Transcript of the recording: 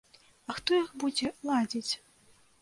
А хто іх будзе ладзіць?